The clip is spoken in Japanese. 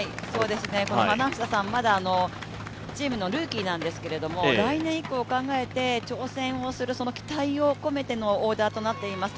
花房さんチームのルーキーなんですけど、来年以降を考えて挑戦をする期待を込めてのオーダーとなっています。